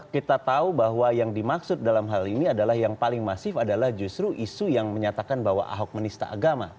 kita tahu bahwa yang dimaksud dalam hal ini adalah yang paling masif adalah justru isu yang menyatakan bahwa ahok menista agama